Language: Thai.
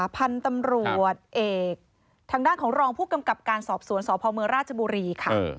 พันธุ์ตำรวจเอกทางด้านของรองผู้กำกับการสอบสวนสพมราชบุรีค่ะ